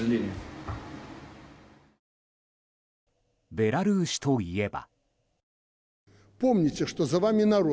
ベラルーシといえば。